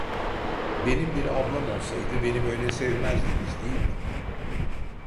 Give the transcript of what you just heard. Benim bir ablam olsaydı beni böyle sevmezdiniz değil mi?